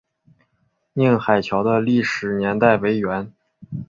宁海桥的历史年代为元。